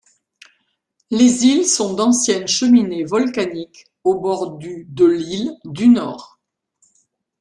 Les îles sont d'anciennes cheminées volcaniques au bord du de l'île du Nord.